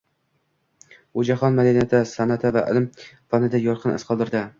U jahon madaniyati, san’ati va ilm-fanida yorqin iz qoldirdi.